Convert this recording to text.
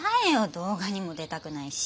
動画にも出たくないし。